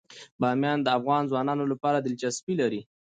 بامیان د افغان ځوانانو لپاره دلچسپي لري.